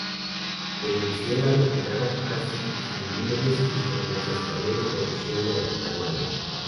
Se inició la retirada casi sin víveres y con los españoles protegiendo la retaguardia.